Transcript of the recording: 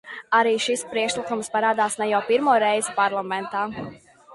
Arī šis priekšlikums parādās ne jau pirmo reizi parlamentā.